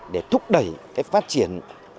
để thúc đẩy cái phát triển